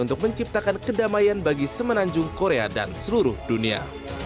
untuk menciptakan kedamaian bagi semenanjung korea dan seluruh dunia